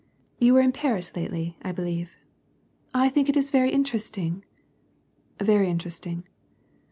"You were in Paris lately, I believe. I think it is very interesting." " Very interesting."